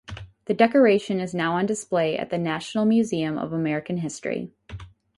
The decoration is now on display at the National Museum of American History.